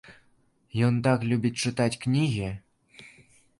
Ён так любіць чытаць кнігі?